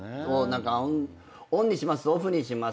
オンにしますオフにします